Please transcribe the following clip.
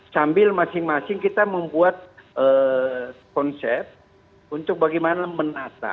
sambil masing masing kita membuat konsep untuk bagaimana menata